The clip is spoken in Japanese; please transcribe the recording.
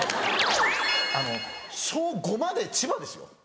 あの小５まで千葉ですよ。